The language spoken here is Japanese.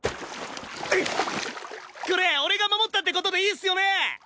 これ俺が守ったって事でいいっすよね？